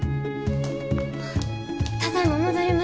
ただいま戻りました。